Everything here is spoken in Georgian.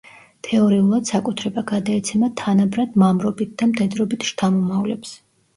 თეორიულად საკუთრება გადაეცემა თანაბრად მამრობით და მდედრობით შთამომავლებს.